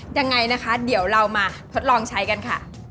ยังไงนะคะเดี๋ยวเรามาทดลองใช้กันค่ะ